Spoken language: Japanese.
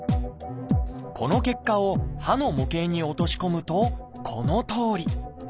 この結果を歯の模型に落とし込むとこのとおり。